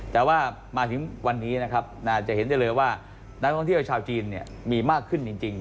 แต่ว่ามาถึงวันนี้นะครับจะเห็นได้เลยว่านักท่องเที่ยวชาวจีนมีมากขึ้นจริง